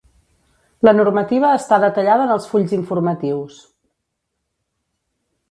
La normativa està detallada en els fulls informatius.